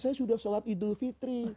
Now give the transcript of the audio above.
saya sudah sholat eid ul fitri